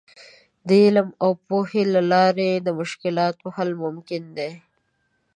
د علم او پوهې له لارې د مشکلاتو حل ممکن دی.